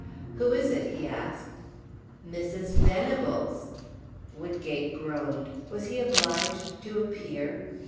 "Who is it?" he asked. "Mrs. Venables!" Woodgate groaned. Was he obliged to appear?